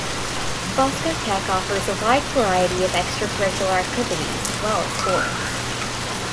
Bosco Tech offers a wide variety of extracurricular activities as well as sports.